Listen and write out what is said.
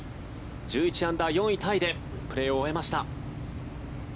１１アンダー、４位タイでプレーを終えました。